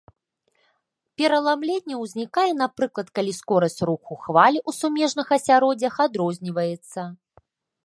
Пераламленне ўзнікае, напрыклад, калі скорасць руху хваль у сумежных асяроддзях адрозніваецца.